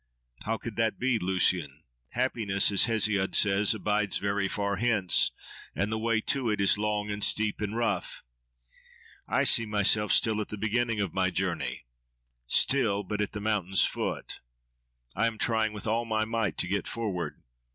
—How could that be, Lucian? Happiness, as Hesiod says, abides very far hence; and the way to it is long and steep and rough. I see myself still at the beginning of my journey; still but at the mountain's foot. I am trying with all my might to get forward.